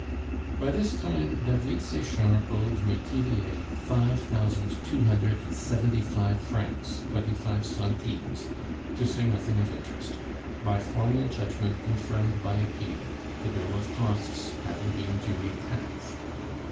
By this time David Sechard owed Metivier five thousand two hundred and seventy five francs, twenty five centimes (to say nothing of interest), by formal judgment confirmed by appeal, the bill of costs having been duly taxed.